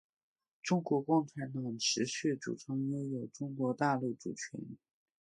中国共产党持续主张拥有中国大陆主权。